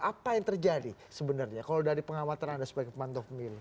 apa yang terjadi sebenarnya kalau dari pengamatan anda sebagai pemantau pemilu